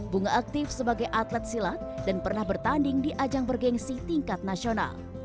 bunga aktif sebagai atlet silat dan pernah bertanding di ajang bergensi tingkat nasional